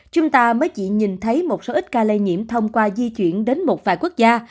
chúng ta mới chỉ nhìn thấy một số ít ca lây nhiễm thông qua di chuyển đến một vài quốc gia